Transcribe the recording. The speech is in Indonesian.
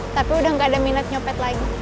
tapi udah gak ada minat nyopet lagi